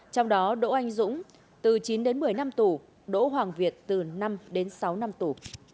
trong đó đỗ anh dũng từ chín đến một mươi năm tù đỗ hoàng việt từ năm đến sáu năm tù